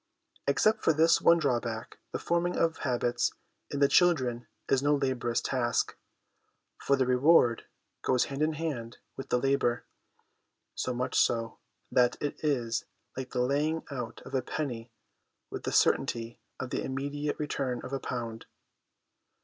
Except for this one drawback, the forming of habits in the children is no laborious task, for the reward goes hand in hand with the labour; so much so, that it is like the laying out of a penny with the certainty of the immediate return of a pound.